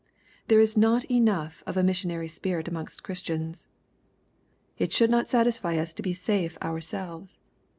There is not^enough of a missionary spirit amongst Christians. It should not satisfy us to be safe ourselves.